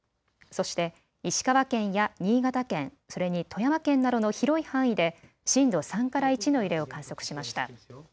そして石川県や新潟県、それに富山県などの広い範囲で震度３から１の揺れを観測しました。